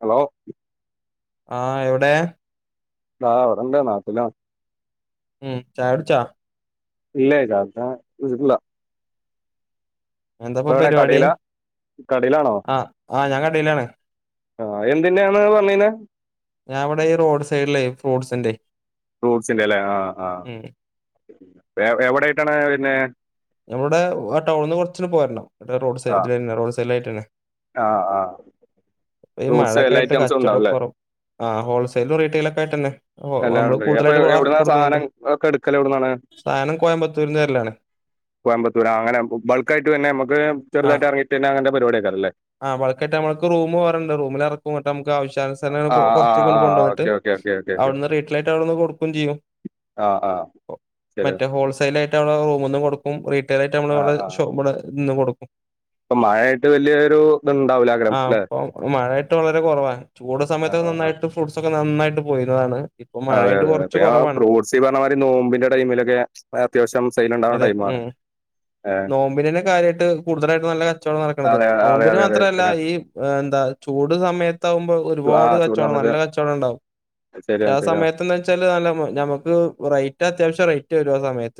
Hello ആ എവിടെ ആ വറന്താ നാട്ടില ഉം ചായട്ചാ ഇല്ലേതാത ഇ ഇല്ല എന്താപ്പ ഇപ്പ എവിടെ പരിപാടി കടേലാ കടേലാണോ ആഹ് ആഹ് ഞാൻ കടയിലാണ് ആ എന്തിന്റാന്ന പറഞ്ഞീനെ ഞാൻ അവിടെ ഈ റോഡ് സൈഡിലേ ഫ്രൂട്ട്സിന്റെ ഫ്രൂട്ട്സിന്റെറെ അല്ലേ ആഹ ആ ഉം എവിടൊയിട്ടാണ് പിന്നെ നമ്മുടെ ആ ടൗണ നിന്ന്റച്ച് പോരണം റോഡ് റോഡ് സൈഡില ആട്ട് തന്നെ ആഹ് ആഹ് പ്പ ഈ മഴയൊക്കെ ആയിട്ട് കച്ചവടംക്കെ കുറവ ആ ഹോൾസെയിലും റീറ്റെയിലൽ ഒക്കെ ആട്ട് തന്നെ നമ്മള് എല്ലാണ്ട് അപ്പൊ കൂടുതലായിട്ട് ഇറക്കി എവിടുന്നാ കൊടുക്കുന്നുണ്ട് സാധനം ഒക്കെ എടുക്കലോ എവിടുന്നാണ് സാധനം കോയമ്പത്തൂരിന്ന് വരലാണ് കോയമ്പത്തൂരാ അങ്ങനെ ബൾക്ക് ആയിട്ട്തന്നെ നുക്ക് ചെറുതായിട്ട് ഇറങ്ങിട്ട്ന്നെ അങ്ങനെ പരിപാടി ആക്കാറല്ലേ ആഹ്ളക്കട്ട നമ്മക്ക്റൂം പോറണ്ട് റമിലിറക്കട്ട നമുക്ക് ആവശ്യാനുസരങ്ങ ആ ആ കുറച്ചൊക്ക ആ കൊണ്ടുവന്നിട്ട് [unintelligible] കൊടുക്കയും ചെയ്യും ആ ആ ശരി മറ്റേ ഹോൾസെൽ ആയിട്ട് റൂമ ഒന്നും കൊടുക്കും റീട്ടെയ്ൽ ആയ്ട്ട് നമ്മള് ആ വടെ ആ ഷോ ഇവിടെന്ന് കൊടുക്കും ഇപ്പൊ മഴ ആയിട്ട് വല്യോരു ഇത്ണ്ടാവ ആഹ് പ്പൊ മഴായിട്ട് വളരെ കുറവാ ചൂട് ആ സമയത്തൊക്കെ ആ ആ നന്നായിട്ട് ഫ്രൂട്ട്സ് ഒക്കെ നന്നായിട്ട് പോയിനതാണ് അതെ അതെ പിന്നെ പ്പ ഞാൻ ഫ്രൂട്ട്സ് ഈ പറഞ്ഞ മാതിരി നോമ്പിന്റെ ടൈമിലൊക്കെ അത്യാവ്ശ്യം സെയ്ൽ ഉണ്ടാവുന്ന ടൈം ആണ് മ്മ് നോമ്പിനെന്നെ കാര്യമായിട്ട് കൂടുതലായിട്ട് നല്ല കച്ചവടം നടക്ക്ണത് അതെ നോ അതെ മ്പിന് അതെ അതെ മാത്രല്ല ശരിയാ ഈ എന്താ ചൂട് സമയത്താകുമ്പോ ആ ഒരുപാട് ചൂട് കച്ചവടം സമയത്ത് നല്ല കച്ചവടം ഉണ്ടാവും പക്ഷെ ശരിയാണ് ആ ശരിയാണ് സമയത്ത്ന്തച്ചാല് നല്ല ഞമുക്ക് റേറ്റ് അത്യാവശ്യം റേറ്റ് വരും ആ സമയത്ത്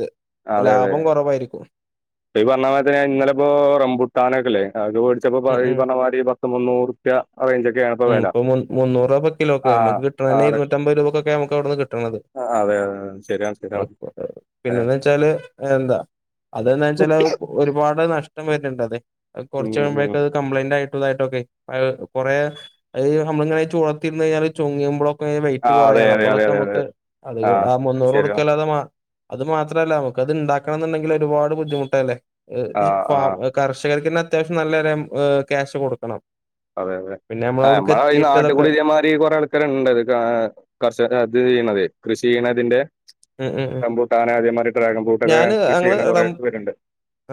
അതെ അതെ ലാഭം കുറവായിരിക്കും ഇപ്പൊ ഈ പറഞ്ഞ മാരി തന്നെ ഇന്നലെപ്പോ റംബുട്ടാനൊക്കെല്ലേ അത് വേടിച്ചപ്പോ ഉം ഈ ഉം പറഞ്ഞമാരി പത്ത് മുന്നൂറുപ്യ റേഞ്ച് ഒക്കെ ആണ്പ്പോ ഉം വെല ഇപ്പൊ മു മുന്നൂറ് രൂപ കിലോക്ക് ആ നമുക്ക് കിട്ട്ണതെന്നെ ആറ് ഇരുന്നൂറ്റി അമ്പത് രൂപക്കൊക്കെ നമുക്ക് അവ്ട്ന്ന് കിട്ട്ണത് ആ, അതെ അതെ അതെ. ശരിയാണ് ശരിയാണ് ആയ്ക്കോട്ടെ പിന്നെന്താച്ചാ ല് എന്താ അതെന്താച്ചാല് ഒരുപാട് നഷ്ടം വരുന്നുണ്ട് അതെ ഉം ഉം കുറച്ചഴിമ്പഴേക്കത് കംപ്ലെയിന്റ് ആയി യിട്ടൊക്കെ അത് കൊറേ നമ്മളിങ്ങനെ ചൂടത്തിർന്ന് കഴിഞ്ഞാല് ചുങ്ങുമ്പോഴൊ ആ വെയിറ്റ് അതെ കുറയാണ് അതെ അപ്പൊ അതെ അതൊക്കെ അതെ അതെ മ്മക്ക് അത് ആ മുന്നൂറ് ശരിയാ കൊടുക്കല്ലാതെ അത് മാത്രല്ല നമുക്ക് അത് ഇണ്ടാക്കണംന്നുണ്ടെങ്കില് ഒരുപാട് ബുദ്ധിമുട്ടല്ലേ ആ ആ ഫം കർഷകർക്കെന്നെ അത്യാവശ്യം നല്ലൊര് ക്യാഷ് കൊടുക്കണം അതെ അതെ പിന്നെ നമ്മള ആ അവിടക്ക് നമ്മളെ ഈ എത്തിയിട്ട് അതൊക്കെ നാട്ടുകൂടി ഇതേമാതിരി കൊറേ ആൾക്കാര്ണ്ട്ത് കർഷ അത് ചെയ്യ്ണതെയ് കൃഷി ചെയ്യണ തിന്റെ ഉം ഉം റംബൂട്ടാന് അതേമാരി ഡ്രാഗൺ ഫ്രൂട്ടൊക്കെ ഞാന് കൃഷി ഞങ്ങള് ചെയ്യ്ണ കൊറേ റം പേരുണ്ട്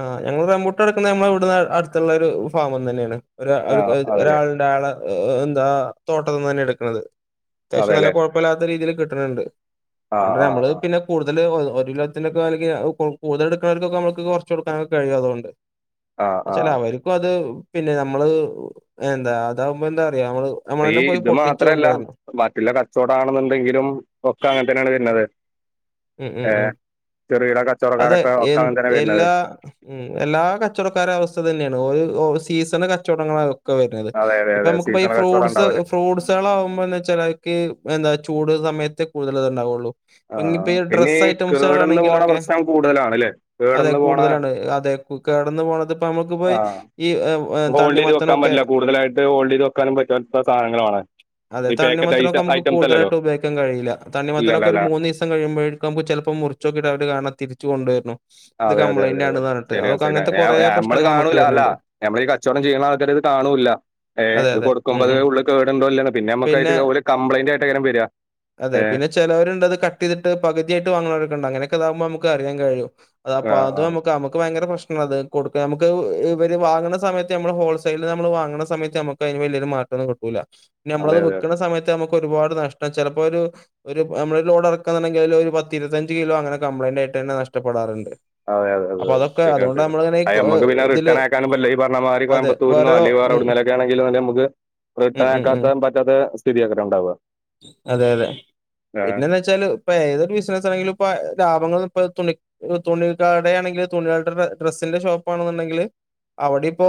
ആ ഞങ്ങള് റമ്പൂട്ടാൻട്ക്കുന്നെ ഞമ്മളവിട അടുത്തുള്ളരു ഫാമ്ന്നെയാണ് ഒര ആ ഒ അതെല്ലേ ഒരാള്ണ്ട്‌ അയാളെ ന്താ തോട്ടത്തിന്ന്ന്നെ എടുക്ക്ണത് അത്യാവശ്യം നല്ല അതെല്ലേ കുഴപ്പല്ലാത്ത രീതിയില് കിട്ട്ണ് ണ്ട്‌ ആ ആ നമ്മള് ആ പിന്നെ കൂടുതല് ല്ലോത്തിന്റൊക്കെ വെലക്ക് കൊടു കൂടുതലെടുക്കുന്നോർക്കൊക്കെ നമ്മക്ക് കൊറച്ച് കൊടുക്കാനൊക്കെ കഴിയും അതുകൊണ്ട് ആ ആ ച്ചല അവർക്കും അത് പിന്നെ നമ്മള് എന്താ അതാകുമ്പോ എന്താ പറയാ നമ്മള് അപ്പ ഈ നമ്മളന്നെ പോയി ഇത് പൊട്ടിച്ചു മാത്രല്ല കൊണ്ടുവരണം. ബാക്കിള്ള കച്ചോടാണ്ന്നുണ്ടെങ്കിലും ഒക്കെ അങ്ങനെ തന്നെയാണ് വരുന്നത് ഉം ഉം ഉം കച്ചോടം അതെ എ എല്ലാ ഉം എല്ലാ കച്ചോടക്കാര അവസ്ഥ ഇത് തന്നെയാണ് ഒരു ഓ സീസണ് കച്ചവടങ്ങള വരുന്നത് അതെ അതെ ഇപ്പ അതെ നമുക്ക് പ ഈ സീസണൽ കച്ചവടം ഫ്രൂട്ടസ് ഉണ്ടാവല് ഫ്രൂട്ട്സാളാവുമ്പോ എന്താച്ചാല് അയ്ക്ക് എന്താ ചൂട് സമയത്ത് കൂടുതൽ ഇതുണ്ടാവുള്ളൂ ഇപ്പൊ ആഹ് ഇനിയിപ്പോ ഈ പിന്നെ ഡ്രസ് കേടുന്ന് പോണ ഐറ്റംസുകളാണെങ്കിലൊക്കെ പ്രശ്നം കൂടുതലാണല്ലേ അതെ കേടന്ന് പോണ കൂടുതലാണ് അതെ കു- കടന്നു പോണത് ഇപ്പൊ നമുക്ക് പോയി ആഹ് ഈ ഏഹ്, ഏഹ്, ഹോൾഡ് ചെയ്ത് വെക്കാൻ തണ്ണിമത്തനൊക്കെ പറ്റില്ല കൂടുതലായിട്ട് ഹോൾഡ് ചെയ്ത് വെക്കാനും പറ്റാത്ത സാധനങ്ങളാണ് അതെ ഈ പാക്കറ്റ് തണ്ണിമത്തനൊക്കെ നമുക്ക് ഐറ്റംസ് അല്ലല്ലോ കൂതലായിട്ട് ഉപയോഗിക്കാൻ കഴിയില്ല തണിമത്തനൊക്കെ ഇല്ലല്ലല്ല ഒരു മൂന്ന് കഴിയുമ്പഴേക്കുമ്പ ചെൽപ്പോ മുറിച്ചോക്കീട്ടവര് കാണ തിരിച്ച് കൊണ്ടുവരുന്നു ഇത് അതെ അതെ അതെ കംപ്ലൈന്റ് അതെ ആണെന്ന് പറഞ്ഞിട്ട് ശെരിയാണ് അതൊക്കെ ശരിയ അങ്ങനത്തെ കുറെ ഞമ്മള് പ്രശ്നങ്ങൾ നമുക്ക് കാണൂല അല്ല വരുന്നുണ്ട് നമ്മളീ കച്ചവടം ചെയ്യണ ആൾക്കാരത് കാണൂല്ല ഏ അതെ, ഇത് അതെ. ഉം, കൊടുക്കുമ്പോ ത് ഉം. ഉള്ള് കേടുണ്ടോല്ലേന്ന് പിന്നെ നമുക്കായിട്ട് ഓല് കംപ്ലയിന്റ് ആയിട്ടേക്കാരം വര അതെ പിന്നെ ചിലവരുണ്ട് ത് കട്ട് ചെയ്തിട്ട് പകുതിയായിട്ട് വാങ്ങ് ണോരൊക്കെണ്ട് അങ്ങനൊക്കെ താകുമ്പോ നമ്മക്ക് അറിയൻ കഴിയും ആ ആ അപ്പോതും നമക്ക് നമ്മക്ക് ഭയങ്കര പ്രശനം ത് കൊടുക്ക നമുക്ക് ഇവര് വാങ്ങണ സമയത്ത് നമ്മള് ഹോൾസെയില്ല് നമ്മള് വാങ്ങണ സമയത്ത് നമുക്ക് അതിന് വലിയൊരു മാ കിട്ടൂല അതെ പിന്നമ്മളത് അതെ അതെ വിക്ക്ണ സമയത്ത് നമുക്ക് ഒരുപാട് നഷ്ടം ചിലപ്പോ ഒരു നമ്മളൊരു ലോഡ് ക്കാന്നുണ്ടെങ്കില് അതില് ഒരു പത്തിരുപത്തഞ്ച് കിലോ അങ്ങനെ കംപ്ലയിന്റ് ആയിട്ടെന്നെ നഷ്ടപ്പെടാറുണ്ട് അതെ അതെ അതെ അപ്പൊ അതെ അതൊക്കെ ശരിയാണ് അതുകൊണ്ട് ശരിയാ നമ്മളിങ്ങനെ ഏഹ് അയമ്മക്ക് പിന്നെ ഇതില് റിട്ടേൺ അയക്കാനും പറ്റില്ല ഈ പറഞ്ഞ മാതിരി അതെ. കോയമ്പത്തൂരുന്നോ വേറെ അല്ലോ ഉം, വേറെവ്ട്ന്നേലൊക്കെ ആണെങ്കിലോ നമ്മക്ക് ഉം, റിട്ടേൺ ഉം, ഉം. അയക്കാൻ പറ്റാത്ത സ്ഥിതിയാക്കാരം ഉണ്ടാവുക അതെ, അതെ. ആ പിന്നെന്ന് വെച്ചാല് ഏതൊരു ബിസിന ആണെങ്കില ഇ ലാഭൾ ഇണ തുണിക്കാടെ ആണെങ്കിൽ തുണാളടെ ഡ്രസിന്റെ ഷോപ്പാണെന്നുണ്ടെങ്കിൽ അവിടെ ഇപ്പോൊ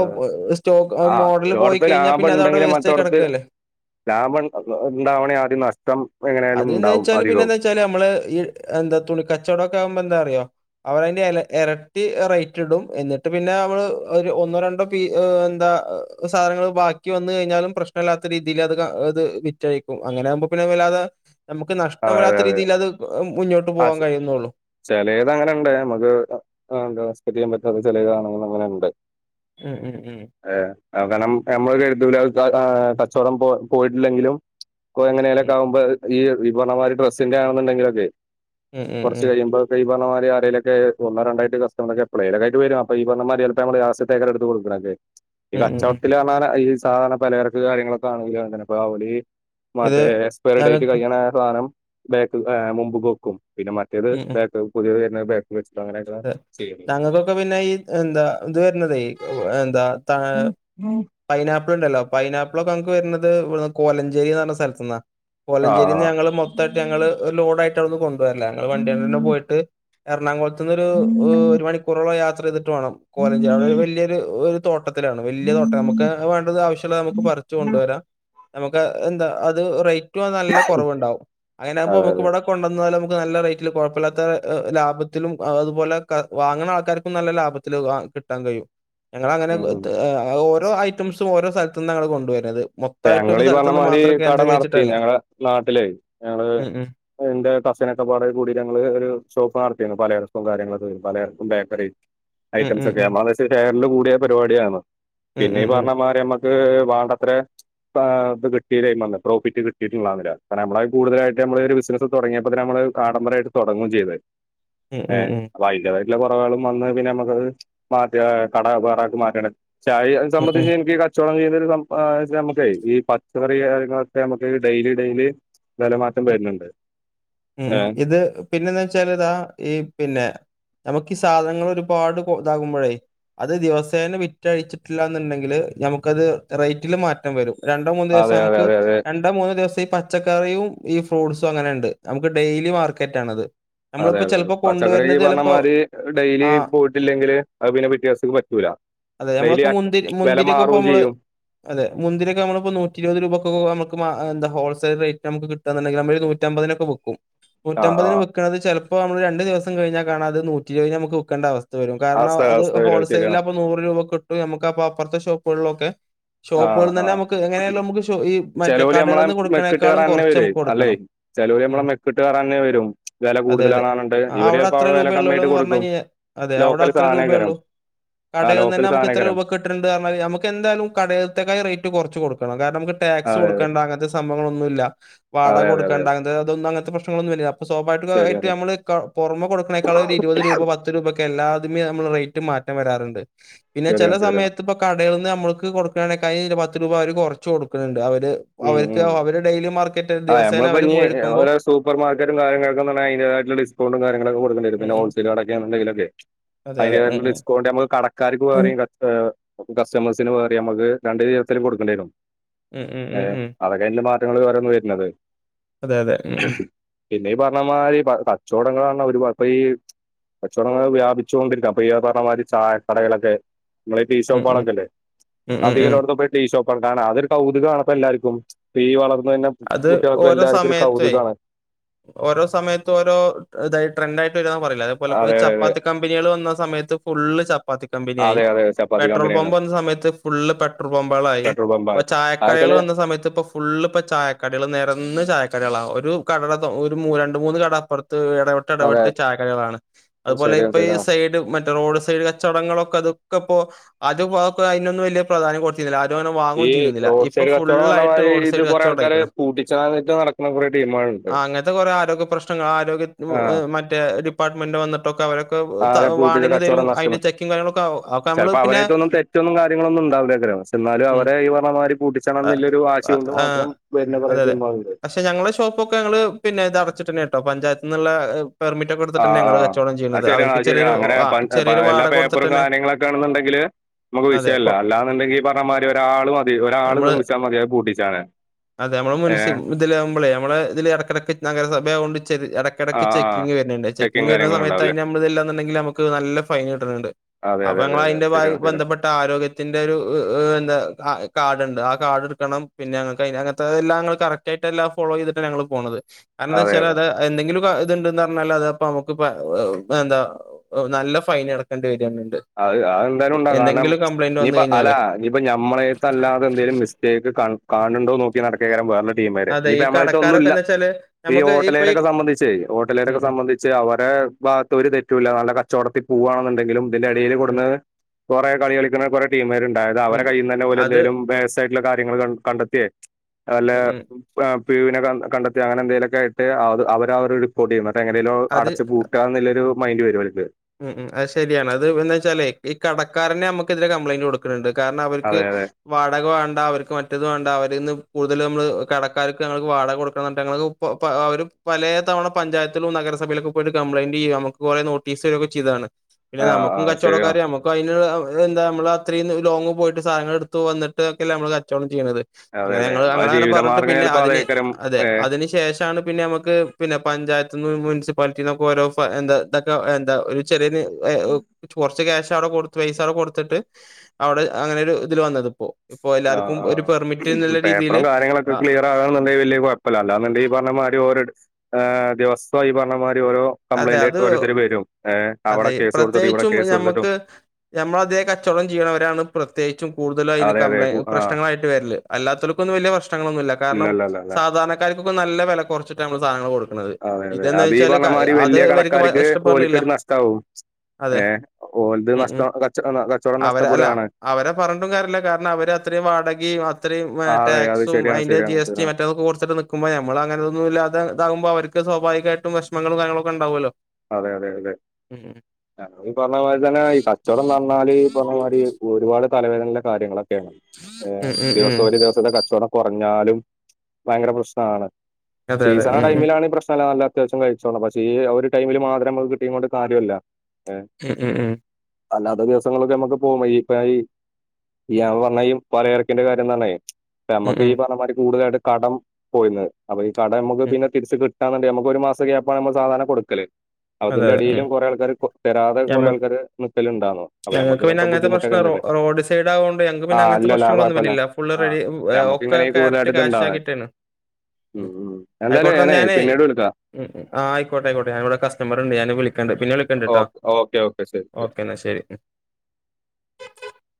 സ്റ്റോക്ക് ആ, മോഡൽ പോയി ഒരിടത്ത് കഴിഞ്ഞാൽ ലാഭം പിന്നെ അത് അവിടെ ഉണ്ടെങ്കിൽ വേസ്റ്ററ്റ്ായിയി മറ്റൊടത്ത് കിടക്കല്ലേ ലാഭം ഉണ്ടാവണേ ആദ്യം നഷ്ടം എങ്ങനൊലും ഉണ്ടാവും അധികവും അ നമ്മള് ഈ എന്താ തുണി കച്ചവടമൊക്കെ ആവുമ്പോ എന്താ അറിയോ അവർതിന്റെ ഇരട്ടി റേറ്റ് ഇടും എന്നിട്ട് പിന്നെ നമ്മള് ഒരു ഒന്നോ രണ്ടോ എന്താ സാധനൾ ബി വ കഴിഞ്ഞാലും പ്രശ്നല്ലാത്ത രീതിത് വിറ്റയഴിക്കും അങ്ങനെുമ്പോെ നമുക്ക് നഷ്ടം അതെ അതെ വരാത്ത രീതിൽ അത് മുന്നോട്ട് ആ പോകാൻ കഴിയുന്നുള്ളൂ ചില ത് അങ്ങനെുണ്ടേ നമുക്ക് ചെയ്യാൻറ്റ ചില ഗണങ്ങൾ അങ്ങനെ ഉണ്ട് ഉം ഉം ഉം ഏ കാരണം നമ്മൾ എഴതല കച്ചവടം പോ പോയിട്ടില്ലെങ്കിലും ഇ എങ്ങനെലൊക്ക ഉം ആകുമ്പോ ഈ വിപണനമാരി ഡ്രസ്സിന്റെ ആണെന്നുണ്ടെങ്കിലൊക്കെ ഉം ഉം കുറച്ച് ഉം കഴിയുമ്പോഴൊക്കെ പറന്ന മാതി ആരയിലൊക്കെ ഒന്നോ രണ്ടായിട്ട കക്കെ്ലൊക്ക ആട്ട് വും അപ്പ ഈ പറന്നതി ചിലപ്പോ നമ്മ രാസത്തേക്കെ എടുത്ത് കൊടുക്കണക്കെ ഈ ഉം ഉം ഉം കച്ചവടത്തിൽ കാണാ ഈ സാധാരണ പലചരക്ക് കാര്യങ്ങളൊക്കെ ആണെങ്കിൽ അെ അപ്പൊ അവളി ഇത് മറ്റേ എക്സ്പയറി ഡേറ്റ് ഞങ്ങക്ക് കഴിയണ സാധനം ബേക്ക് മുമ്പ് കൊോക്കും പിന്നെ മറ്റേത് ബാക്ക് പുതിയത് ബ വെ ഞങ്ങൾക്കൊക്കെ പിന്നെ ഈ എന്താ ഇത് വരത ഈ എന്താ ചെയ്യല് പൈന ആപ്പിൾണ്ടല്ലോ പൈനാപ്പിൾ ഒക്കെ നമക്ക് വരുന്നത് കോലഞ്ചേരി എന്ന് പറഞ്ഞ സ്ഥലത്ത നിന്നാ പോലഞ്ചേരിയി നിന്ന് ആഹ് ഞങ്ങള്ൾ മൊത്തമായിട്ട് ഞങ്ങള് ലോഡ്ായിട്ട് അവിന്ന കൊണ്ട പോുവരല്ല ഞങ്ങള് വണ്ടിയെണ്ട തെ പോയിട്ട് എറണാകുളത്തു നിന്ന്ൊരു് ഒരു മണിക്കൂറോളം യാത്ര ചെയ്തിട്ട് വേണം കോലഞ്ചേരി അവിടെ ഒരു വലിയൊരു തോട്ടത്തി ത്തിലാണ് വലിയ തൊട്ടെ നമുക്ക് വേണ്ടത് ആവശ്യമ നമുക്ക് പററിിച്ചു കൊണ്ടുവരാം നമുക്ക് എന്താ അത് റേറ്റും നല്ല കുറവ്ണ്ടാവും അങ്ങനെ ആകുമ്പോ അതെ നമുക്ക് അതെ ഇവിടെ കൊണ്ടുവന്നാല ന നല്ല റേറ്റിൽ കുഴപ്പില്ലാത്ത ലാഭത്തിലും അതുപോലെ വാങ്ങണ ആൾക്കാർക്കും നല്ല ലാഭത്തില്ൽ കിട്ടാൻ കഴിയും ഞങ്ങ അങ്ങനെ ഉം ഉം ഓരോ ഐറ്റംസും ഓരോ സ്ഥലത്ത നി ഞങ്ങള്ൾ കൊണ്ടുവരുന്നത് മൊത്തായിട്ട് ഒരു ഞങ്ങള് ീ സ്ഥലത്തുന്ന് പറഞ്ഞമാതിരി മാത്രം കട നടത്തി കേന്ദ്രീകരിച്ചിട്ടല്ല. ഞടെ നാട്ടില ഞങ്ങള് ഉം, ഉം. എന്റെ കസനൊക്കെപാടെ കൂടി ഞങ്ങള് ഒരു ഷോപ്പ് നടത്തിരുന്നു പലയട കാര്യങ്ങളൊക്കെും പലർക്കും ബേക്കറി ഉം, ഐറ്റംസ് ഉം, ഒക്കെയ ഉം. മശ ഷറിൽ കൂടിയ പരിപാടിയാണ് ഉം, പിന്നെ ഉം, ഈ ഉം. പറഞ്ഞ മാര് നമ്മക്ക് വേണ്ടത്ര ആ്ത് കിട്ട പ്രോഫിറ്റ് കിട്ടിയിട്ടുള്ള കാര നമ്മ കൂടുതലായിട്ട്മ്മ ഒരു ബിസിനസ് തുടങ്ങിയപ്പോ നമ്മ കാഡംബരായിട്ട് തുടങ്ങുകയും ചെയ്ത ഉം, ഏ ഉം, ഉം. വായിത് ല്ല കുറവളും വന്ന് പിന്നെ നമുക്ക്ത് മാറ്റ കട വേറ മാറ്റണ്ട ചായ ഉം, സംബന്ധിച്ച് ഉം. എനിക്ക് കച്ചവടം ചെയ്യുന്ന ഒരു ഈ പച്ചക്കറി കാര്യങ്ങളൊക്കെ നമുക്ക് ഡെയിലി ഡെയിലി വില മാറ്റം വരുന്നുണ്ട് ഉം ഇത് പിന്നെന്ന് വെച്ചാൽ ഇതാ ഈ പിന്നെ നമുക്ക് ാക്കി സാധനങ്ങൾ ഒരുപാട് ഇതാകുമ്പോഴേ അത് ദിവസേന വിറ്റഴിച്ചിട്ടില്ല എന്നുണ്ടെങ്കില് നമുക്കത് റേറ്റില് മാറ്റം വരും രണ്ടോ മൂന്ന ദിവസം അതെ അതെ നമുക്ക് അതെ അതെ രണ്ടോ മൂന്നോ ദിവസം ഈ പച്ചക്കറിയും ഈ ഫ്രൂട്ട്സും അങ്ങനെ ഉണ്ട് നമുക്ക് ഡെയിലി മാർക്കറ്റ ആണത് അതെ അതെ പച്ചക്കറിക്ക് പറഞ്ഞമാര് ഡെയിലി ആ പോയിട്ടില്ലെങ്കില് അ പിന്നെ വ്യത്യാസക്ക് പറ്റൂല അതെ നമ്മള ഡെയിലി മുന്തി വില മുന്തിരൊക്കെ ഇ മാറുകയും നമ്മള് ചെയ്യും അതെ മുന്തിരൊക്കെ നമ്മളി നൂറ്റി ഇരുപത് രൂപ എാോൾസെൽ റേറ്റ് നമു കിുണ്ടെങ്കിൽ ന നൂറ്റമ്പതിനൊക്കെക്കും ആ ആ നൂറ്റമ്പതിന് വെക്കുന്നത് ച ഇപ്പോ നമ്മൾ രണ്ട് ദിവം കഴിാൽണാത നൂറ്റിരുപതി നമുക്ക് വക്കേണ്ട അവസ്ഥ വരും കാരണം അവസ്ഥ അത് അവസ്ഥ വരും ഹോൾസെയിലിൽ ശരിയാണ് അപ്പ നൂറ് രൂപ കിട്ടും നമുക്ക് അപ്പൊ അപ്പുറത്തെ ഷോപ്പുകളിലൊക്കെ ആ ഷോപ്പുകളന്ന് തന്നെ ആ നമുക്ക് എങ്ങനെയല്ലോ നമുക്ക് ഈ ചെലോല് മറ്റേക്കടുകളിൽ നമ്മളെ നിന്ന് മെക്കിട്ട് കൊടുക്കണേക്കാളും കയറാനന്നെ കുറച്ച് വരുവേ നമുക്ക് അല്ലേ കൊടുക്കണം ചെലോല് ഉ നമ്മളെ മെക്കിട്ട് കയറാനന്നെ വരും വില അതെ അതെ കൂടുതലാണ് പറഞ്ഞിട്ട് ഇവര് അവിടെ ചിലപ്പോ അത്ര വില രൂപയള്ളല്ലോ കമ്മിയായിട്ട് എന്ന് കൊടുക്കും പറഞ്ഞഞ് കഴാൽ അതെെ അവിടെ ലോക്കൽ അത്ര സാധനേക്കാരം രൂപയള്ളൂ ആ കടയിൽ നി തന്നെ ലോക്കൽ നമുക്ക് എത്ര സാധനേക്കാരം രൂപ കിട്ടിട്ടുണ്ട് കാര നമുക്ക് എന്തായാലും കട അറ്റക്കായി റേറ്റ് കൊറച്ച് കൊടുക്കണം. കാരണം നമുക്ക് ടാക്സ് അതെ കൊടുക്കേണ്ട അങ്ങനത്തെ സംഭവങ്ങളൊന്നുയില്ല. വാടക അതെ അതെ അതെ കൊടുക്കേണ്ട അത് അങ്ങനത്തെ പ്രശ്നങ്ങളൊന്നുല്ല, അപ്പ സ്വാഭാവികമായിട്ട് ശരിയാണ് നമ്മള് കാ പുറമെകൊടുക്കണേക്കാളും ഒരു ഇരുപത് രൂപ പത്ത് രൂപയക്കെ എല്ലാതി മേൽ നമ്മൾ റേറ്റ് മാറ്റം വരാറുണ്ട്. പിന്നെ ചില ശരിയാണ് ശരിയാണ് സമയത്ത്പ്പൊ കടേവന്ന് നമ്മൾക്ക് കൊടുക്കണക്കായി കൈയിൽ പത്ത് രൂപ അവര് കൊറച്ച് കൊടുക്കന്നുണ്ട്. ഉം അവർക്ക് ഉം അവര് ഡെയിലി മാർക്കറ്റ് ആ ദിവസേന നമ്മളിപ്പോ അവര് ഇനി പോയി എ ഓരോ സൂപ്പർ മാർക്കറ്റും കാര്യങ്ങളക്കന്ന അതിൻ്റതായിട്ടുള്ള ഡിസ്കൗണ്ടും കാര്യങ്ങളൊക്കെ കൊടുക്കണ്ടി വരും. ഉം പിന്നെ ഉം ഹോൾസെയിൽ കടക്കേണേങ്കിലൊക്കെ അതെ അതെ അതിന് ഉം വരുന്ന ഡിസ്കൗണ്ട് നമ്മക്ക് കടക്കാർക്ക് ഉം മാറി കസ്റ്റ കസ്റ്റമേഴ്സിന് മാറി നമ്മക്ക് രണ്ട് വീതത്തിലും കൊടുക്കേണ്ടി വരും. ഉം ഉം ഏ ഉം ഉം അതൊക്കെ അതിന്റെ മാറ്റങ്ങൾ വേറെന്ന് വരുന്നത്. അതെ അതെ എ എ പിന്നെ പറഞ്ഞ മാരി കച്ചവടങ്ങളാണ് ഒരുവാക്കുക ഈ കച്ചവടങ്ങൾ വ്യാപിച്ചോണ്ടിരിക്ക അപ്പൊ ഈ പറഞ്ഞമാതിരി ചായ കടകളൊക്കെ നമ്മളീ ടീ ഉം ഉം ഷോപ്പാളാകത്തില്ലെ ഉം ഉം ഉം അധികോടത്ത ടീഷോപ്പാണ് കാരണം അതൊരു കൗതുകം ആണ് ഇപ്പ എല്ലാരുക്കും ഈ വളവ് അത് ഓരോ സമയത്തെ ഓരോ സമയത്തും ഓരോ ഇതായ ട്രെൻഡ് ആയിട്ട് വരുവ പറയില്ലെ.. അതുപോലെ അതെ ചപ്പാത്തി കമ്പിനികള് വന്ന സമയത്ത് ഫുള്ള് ചപ്പാത്തി കമ്പിനിയായി, അതെ അതെ ചപ്പാത്തി പെട്രോൾ കമ്പനിയാണ് പമ്പ് വന്ന സമയത്ത് ഫുള്ള് പെട്രോൾ പമ്പുകളായി. പെട്രോൾ ഇപ്പൊ പമ്പാണ് ചായക്കടകൾ അതെച്ചാല് വന്ന സമയത്ത് ഇപ്പൊ ഫുള്ള് ഇപ്പെ ചായക്കടികൾ നേരന്ന് ചായക്കടികളാ ഒരു കട ഒരു മൂ രണ്ട മൂന്ന് കട അപ്പറത്ത് ഇടവട്ട് അതെ ഇടവട്ട് ചായക്കടകളാണ് അതുപോലെ ശരിയാണ് ഇപ്പ ഈ ശരിയാണ് സൈഡ് മറ്റേ റോഡ് സൈഡ് കച്ചവടങ്ങളൊക്കെ അതൊക്കെ അപ്പോ അത് അതിനൊന്നും വലിയ പ്രധാന്യം കൊടുത്തിന്നില്ല വാങ്ങും ഈ ചെയ്തിന്നില്ല റോഡ് ഇപ്പം സൈഡ് ഫുൾ കച്ചവടം പറഞ്ഞ ആയിട്ട് മാതിരി റോഡ് ഇത് സൈഡ് കൊറേ ആൾക്കാര് യ്ക്കണ് പൂട്ടിച്ചാന്നിട്ട് നടക്കുന്ന കുറെ ടീമുകളുണ്ട് അങ്ങനത്തെ കൊറേ ആരോഗ്യപ്രശ്നങ്ങൾ ആരോഗ്യ ആഹ് മറ്റേ ഡിപ്പാട്ട്മെന്റ് വന്നിട്ടൊക്കെ അവര് ആകെ പൂട്ടി കച്ചവടം നഷ്ടപ്പെട്ടു കാര്യങ്ങളൊക്കെ ആവും. അതൊക്കെ നമ്മള് ചിലപ്പോ പിന്നെ അവരൊട്ത്തോന്നും തെറ്റൊന്നും കാര്യങ്ങളൊന്നും ഇണ്ടാവിലേക്കാ പക്ഷെ എന്നാലും ഉം അവരെ ഈ പറഞ്ഞമാതിരി പൂട്ടിച്ചണം അ എന്നുല്ലരു അ വാശിയൊണ്ട് ആ മാത്രം വരുന്ന കുറെ അതെ അതെ ടീമുകളുണ്ട് പക്ഷെ ഞങ്ങളെ ഷോപ്പൊക്കെ ഞങ്ങള് പിന്നെ ഇത് അടച്ചിട്ടന്നെ ട്ടോ പഞ്ചായത്ത് നിന്ന്ള്ള ആഹ് ആഹ് അ ശരിയാണ് അത് ശരിയാണ് ചെറിയൊരു അങ്ങനെ ആ ചെറിയൊരു എല്ലാ വാടക പേപ്പറും കൊടുത്തിട്ടന്നെ കാര്യങ്ങളൊക്കെ ആണെന്നുണ്ടെങ്കില് നമുക്ക് അതെ വിഷയമല്ല കൊ അല്ലാന്നുണ്ടെങ്കി പറഞ്ഞമാതിരി ഒരാള് മതി ഒരാള് നമ്മള് സംച്ചാൽ മതിയ പൂട്ടിച്ചാണ് അതെ നമ്മളെ മുൻസി ഇതിലകുമ്പോളെ നമ്മളെ ഇതില് ഇടക്കിടക്ക് നഗരസഭ ആയൊണ്ട് കിടക്ക് ആഹ് ആഹ് ചെക്കിങ് വരണ്ട് ചെിങ് ചെക്കിങ് വരുന്ന കാര്യങ്ങളും സമയത്ത് അതി ഉണ്ടാവുല്ലേ നമ്മളതെല്ലാന്നുണ്ടെങ്കിൽ നമുക്ക് നല്ല ഫൈൻ കിട്ടുന്നുണ്ട് അതെ അപ്പൊ അതെ അതെ ഞങ്ങൾ അതെ അയിന്റെമായി ശരിയാണ് ശരിയാണ് ബന്ധപ്പെട്ട ആരോഗ്യത്തിന്റെ ഒരു എന്താ കാ ണ്ട് ആ കാഡ് എടുക്കണം പിന്നെ അങ്ങനത്തെ കറക് ആയിട്ട്ല്ലാം ഫോളോ ചെയ്തിട്ടാണ് ഞങ്ങൾ പോണത് കാരണം എന്താ അതെ വെച്ചാല് അതെ അത് എന്തെങ്കിലും ഇണ്ട്ന്ന് പറഞ്ഞാൽ അത്പ്പ നമുക്ക് എന്താ നല്ല ഫൈൻ അടക്കേണ്ടി വര്ണ് ണ്ട് അത് അതെന്തായാലും ഉണ്ടാകും കാരണം ഇനിയിപ്പോ അല്ല കഴിഞ്ഞാല് ഇനിപ്പൊ ഞമ്മളെട്ത്ത് അല്ലാതെ എന്തെലും മിസ്റ്റേക്ക് ക കാണണ്ടോ നോക്കി നടക്കേക്കാരം വേറള്ള ടീമാര് അതെ ഈ ഇനിയിപ്പൊ നമ്മളട്ത്ത് കടക്കാരൊക്കെ ഒന്നുല്ല എന്താ വെച്ചാല് ഈ നമുക്ക് ഇപ്പൊ ഈ ഹോട്ടലേരൊക്കെ സംബന്ധിച്ച് ഉം ഹോട്ടലേരൊക്കെ ഉം സംബന്ധിച്ച് അവരുടെ ഭാഗത്ത് ഒരു തെറ്റൂില്ലല്ല നല്ല കച്ചവടത്തി പോവവാണെന്നുണ്ടെങ്കിലും ഇതിന്റെ അടിയിൽ ഉം കൂടന്ന് കുറെേ കളി കളിക്കുന്ന കുറേ ടീംമാരുണ്ട് അതായ അവടെ ഉം കയ്യിൽന്ന് തന്നെ പോലെ അത് എന്തെലും പേസയിട്ടുള്ള കാര്യങ്ങൾ കണ്ടെത്തിയേ നല്ല ഉം ഉം പി്യുവിനെ കണ്ടെത്തി അങ്ങനെ എന്തെങ്കിലൊക്കെ ഇട്ട് അവര് റിപ്പോർട്ട് ചെയ്യുന്നത് അ എങ്ങനെങ്കിലും അടച് പൂട്ട എന്നുള്ളൊരു മൈന്ഡ് വരോൽക്ക് ഉംം അത് ശരിയാണ് അത് എ വെച്ചാലേ ഈ കടക്കാരനെ നമ്മുക്കതിരെ കംപ്ലയിന്റ് കൊടുക്കും ണ്ട് കാരണം അവർക്ക് അതെ അതെ വാടക വേണ്ട അവർക്ക് മറ്റത് വേണ്ട അവരിന്ന് കൂടുതലും നമ്മള് കടക്കാർക്ക് ഞങ്ങൾക്ക് വാടക കൊടുക്കണം എന്നിട്ട് ഞങൾ അവര് പലേ തവണ പഞ്ചായത്തിലും നഗര സഭയിലൊക്കെ പോയിട്ട് കപ്ലയിന്റ് ചെയ്യ നമ്മക്ക് കുറെ നോട്ടീസ് താണ് പിന്നെ ആ ആ നമുക്കും ശരിയാ കച്ചവടക്കാരെ നമുക്കും അയിന് എന്താ നമ്മള് അത്രയും ലോങ്ങ് പോയിട്ട് സധങ്ങൾ എടുത്ത് വന്നിട്ടൊക്കെ നമ്മള് കച്ചവ ചെയ്യ അതെ അങ്ങനെ അതെ നമ്മളെ ഞങ്ങനെ പറഞ്ഞിട്ട് ജീവിതമാർഗം പിന്നെ ചിലപ്പോ അതിന് അതേക്കരം അതെ ഏ, അതിന് ശേഷമാണ് പിന്നെ നമക്ക് പഞ്ചായത്ത് മുസിപ്പാലിറ്റിൊക്കെ ഓരോ എന്താതൊക്കെ എന്താ ഒരു ചെറിയ കുറച്ച് ക്യാഷ് അവിടെ കൊടു പൈസ അവിടെ കൊടുത്തിട്ട് അവിടെ അങ്ങനെൊ ഒരു ഇതില് വന്നത് ഇപ്പോൊ ആ ആഹ് രീതിയില് പേപ്പറും കാര്യങ്ങളൊക്കെ ആ ക്ലിയർ ആകന്നുണ്ട വല്ിയ കുഴപ്പമ അല്ലാുഈ പറഞ്ഞ മാതി ദിവസമായി പറഞ്ഞ ഓരോ അതെ കംപ്ലൈന്റ് ആയിട്ട് അത് ഓരോത്തർ വരും അവിടെ അതെ കേസ് കൊടുത്തിട്ടും ഇവിടെ കേസ് കൊടുത്തിട്ടും പ്രത്യേ കച്ചവടം ചെയ്യുന്നവരാണ് പ്രത്യേകിച്ചും കൂടുതലും അതിന് അതെ കപ് അതെ കു- ആ പ്രശ്നങ്ങളായിട്ട് വരില്ല അല്ലാത്തവക്കൊന്ന വലിയ പ്രശ്നങ്ങളൊന്നുമില്ല ഇല്ല കാരണം ഇല്ല ഇല്ല സാധാരണക്കാർ നല്ല വില കുറച്ചിട്ടാണ്ള് സാധനങ്ങൾ കൊടുക്കുന്നത് അതെ അതെ ഇതെന്താ അത് ഈ വെച്ചാല് പറഞ്ഞമാതിരി അത് വലിയ ഇവർക്ക് കടക്കാർക്ക് ഇഷ്ടപ്പെടണില്ല ഓൽക്കൊരു നഷ്ടാവും അതെ ഏ ഓൽത് ഉ ഉ നഷ്ടം കച്ച ന- കച്ചവടം അവരെ അല്ല നഷ്ടപ്പെടുകയാണ് അവരെ പറഞ്ഞിട്ടും കാര്യല്ല കാരണം അവര് അത്രയും വടകയും അത്രയും ആ അതെ അത് ടാക്സും ശരിയാണ് അതിന്റെ ജി ശരിയാണ് എസ് ിയും ശരിയാണ് മറ്റൊക്കെ കൊറച്ചട്ട് നക്കുമ്പോൾ നമ്മൾ അങ്ങനൊന്നുമാത ആക്പോ അവർക്ക് സ്വാഭാവികമായിട്ടും വിഷമങ്ങളും കാര്ങ്ങളക്കെ ഉണ്ടാവുമല്ലോ അതെ അതെ അതെ ഉം ഈ പറഞ്ഞ മാ തന്നെ ഈ കച്ചവടം പറഞ്ഞാല് പറഞ്ഞമാതി ഒരുപാട് തലവേദനയിലെ കാര്യങ്ങളൊക്കെയാണ് ഉം ഉം ദിവസം ഉം ഒരു ദിവസത്തെ കച്ചവടം കുറഞ്ഞാലും ഭയങ്കര പ്രശ്നമാണ് അതെ അതെ സീസണ ഉം ടൈമിലാണ് പ്രശ്നമല്ല നല്ല അത്യാവശ്യം കഴിച്ചോ പക്ഷ ഈ ഒരു ടൈമില് മാത്രം നമുക്ക് ടീമോട്ട് കാര്യമല്ല ഉം ഉം ഉം അല്ലാതെ ദിവസങ്ങളൊക്കെ നമ്മുക്ക് പോക ഈ ഇപ്പ ഞൻ പറഞ്ഞ ഈ പറയിറക്കേണ്ട കാര്യംന്തണ ഉം നമ്മുക്ക് ഈ ഉം പറഞ്ഞമാതിരി കൂടുതലായിട്ട് കടം പോയിുന്നത് അപ്പൊ ഈ കടം നമ്മുക്ക് ഉം പിന്നെ തിരിച്ച് കിട്ടി ആണ്ട നമക്ക് ഒരു മാസം കേപ്പ നമ്മ സാധനം കൊടുക്കല് അ അതെ അതിന്റെ അതെ ഉം അടിയിലും കുറെേ ആൾക്കാര്ർ തരാതെ കൊറെ ഞമ്മക്ക് ആൾക്കാര് നൽക്കലുണ്ടന്നുന്നു അപ്പൊ ഞങ്ങൾക്ക് നമമ്മക്ക പിന്നെ ഇത്തെ അങ്ങനത്തെ ബുദ്ധിമുട്ടൊക്ക പ്രശ്നം റോഡ് സൈഡ്കോണ്ട് ഞ പിന്നെ അങ്ങനത്തെ കുഴപ്പല്ല. പ്രശ്നങ്ങളൊന്നുംറ്റില്ല ഫുള് ആഹ് റെഡി നമ്മക്ക് ഇങ്ങനെ ഒക്കെക്റക്റ്റ് കൂടുതലായിട്ട് കാഷ് ആി ഇത്ണ്ടാവേ. ഉം ഉം എന്തായാലും ആയിക്കോട്ടെ ഞാനേ ഞ പിന്നീട് വിളിക്കാം. ആ ആയിക്കോട്ടെയിക്കോട്ടെഞവി നണ്ട് ഞൻ വിളിക്കണ്ട പിന്നെ വിളിക്കണ്ട ഓ കേട്ടോ ഓക്കെ ഓക്കെ ശരി ശരി. ഓക്കേ എന്നാൽ ശരി [inaudible]